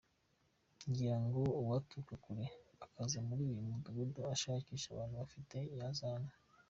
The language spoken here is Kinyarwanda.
Ngira ngo uwaturuka kure akaza muri uyu mudugudu ashakisha abantu bifite, yaza hano.